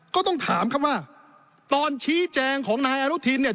ก็ต้องถามครับว่าตอนชี้แจงของนายอนุทินเนี่ย